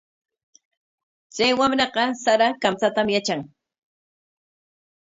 Chay wamraqa sara kamchatam yatran.